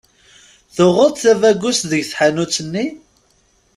Tuɣeḍ-d tabagust deg tḥanut-nni?